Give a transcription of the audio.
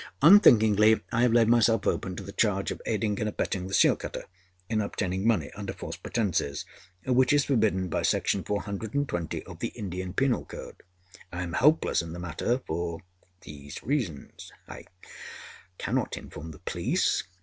Unthinkingly, I have laid myself open to the charge of aiding and abetting the seal cutter in obtaining money under false pretences, which is forbidden by Section 420 of the Indian Penal Code. I am helpless in the matter for these reasons, I cannot inform the Police.